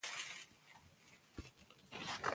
دا د ټولنې غړو ته د اهمیت احساس ورکوي.